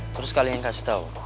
terus kalian kasih tau